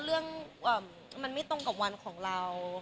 เรื่องมันไม่ตรงกับวันของเรา